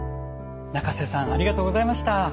仲瀬さんありがとうございました。